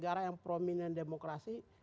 negara yang prominent demokrasi